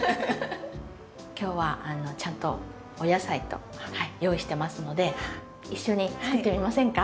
今日はちゃんとお野菜と用意してますので一緒に作ってみませんか？